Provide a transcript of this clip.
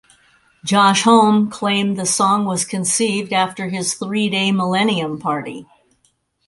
Josh Homme claimed the song was conceived after his three-day Millennium party.